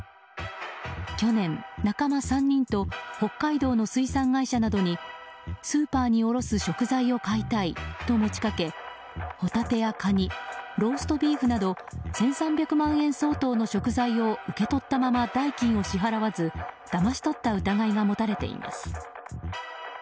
去年、仲間３人と北海道の水産会社などにスーパーに卸す食材を買いたいと持ち掛けホタテやカニローストビーフなど１３００万円相当の食材を受け取ったまま代金を支払わずだまし取った疑いが持たれています。